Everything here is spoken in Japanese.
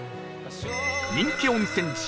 人気温泉地